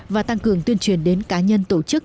và tăng cường tuyên truyền đến cá nhân tổ chức